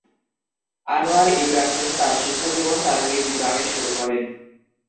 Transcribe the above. Anwar Ibrahim তার শিক্ষাজীবন তার নিজ গ্রামে শুরু করেন।